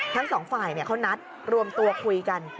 ทั้งสองฝ่ายเขานัดรวมตัวคุยกัน